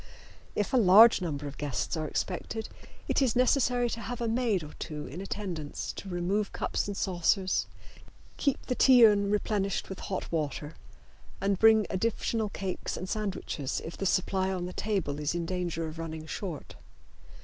If a large number of guests are expected it is necessary to have a maid or two in attendance to remove cups and saucers, keep the tea urn replenished with hot water and to bring additional cakes and sandwiches if the supply on the table is in danger of running short.